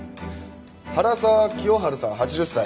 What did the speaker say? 原沢清春さん８０歳。